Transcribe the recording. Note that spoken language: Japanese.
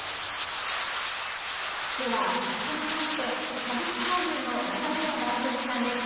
では改めまして歌舞伎俳優の中村梅玉さんです。